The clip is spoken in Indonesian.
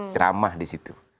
ceramah di situ